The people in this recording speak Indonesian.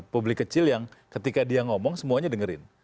publik kecil yang ketika dia ngomong semuanya dengerin